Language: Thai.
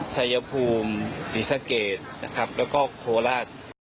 ชายภูมิศรีสะเกดนะครับแล้วก็โคราช